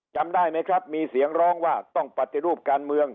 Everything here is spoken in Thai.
จำได้ไหมครับมีเสียงร้องว่าต้องปฏิรูปการเมือง